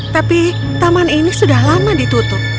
tapi taman ini sudah lama ditutup